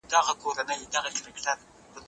زه به سړو ته خواړه ورکړي وي؟